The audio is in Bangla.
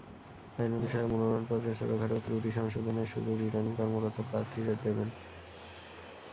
আইন অনুসারে মনোনয়নপত্রের ছোটখাটো ত্রুটি সংশোধনের সুযোগ রিটার্নিং কর্মকর্তা প্রার্থীদের দেবেন।